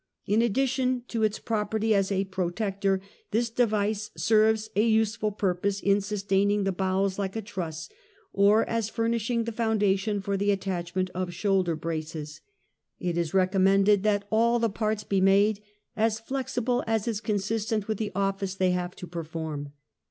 "In addition to its property as a protector, this de vice serves a useful purpose in sustaining the bowels, like a truss, or as furnishing the foundation for the attachment of shoulder braces. " It is recommended that all the parts be made as flexible as is consistent with the office they have to perform."